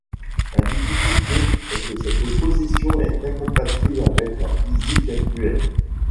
La difficulté est que cette position est incompatible avec la physique actuelle.